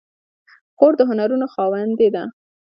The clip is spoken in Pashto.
خور د هنرونو خاوندې ده.